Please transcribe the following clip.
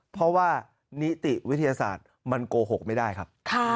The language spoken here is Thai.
เพราะว่านิติวิทยาศาสตร์มันโกหกไม่ได้ครับ